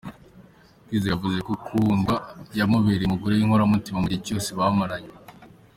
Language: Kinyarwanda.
Kwizera yavuze ko Kundwa yamubereye umugore w’inkoramutima mu gihe cyose bamaranye.